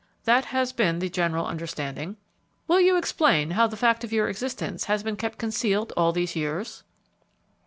"That has been the general understanding." "Will you explain how the fact of your existence has been kept concealed all these years?"